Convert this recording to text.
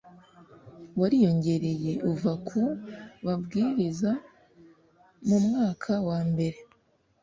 wariyongereye uva ku babwiriza mu mwaka wa mbere